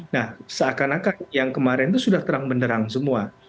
nah seakan akan yang kemarin itu sudah terang benderang semua